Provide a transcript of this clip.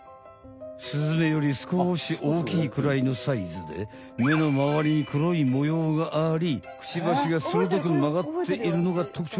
スズメよりすこしおおきいくらいのサイズで目の周りに黒いもようがありクチバシがするどく曲がっているのが特徴。